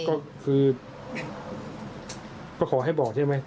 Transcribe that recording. ก็คือก็ขอให้บอกใช่ไหม